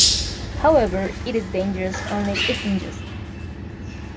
However, it is dangerous only if ingested.